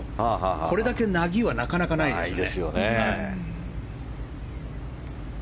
これだけの凪はなかなかないですね。